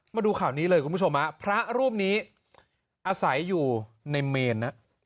มาดูข่าวนี้เลยคุณผู้ชมฮะพระรูปนี้อาศัยอยู่ในเมน